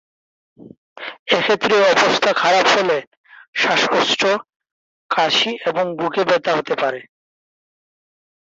এক্ষেত্রে অবস্থা খারাপ হলে শ্বাসকষ্ট, কাশি এবং বুকে ব্যথা হতে পারে।